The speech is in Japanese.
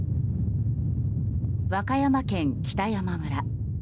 和歌山県北山村。